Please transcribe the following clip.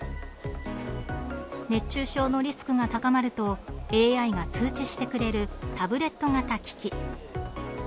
熱中症のリスクが高まるとＡＩが通知してくれるタブレット型機器。